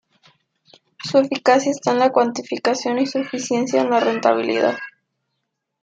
Su eficacia está en la cuantificación y su eficiencia en la rentabilidad.